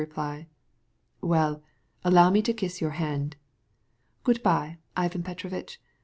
"Well, well, allow me to kiss your hand." "Good bye, Ivan Petrovitch.